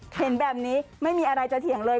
เห็นแบบนี้ไม่มีอะไรจะเถียงเลย